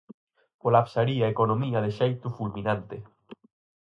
Colapsaría a economía de xeito fulminante.